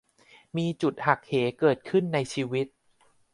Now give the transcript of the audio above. มีจุดหักเหเกิดขึ้นในชีวิต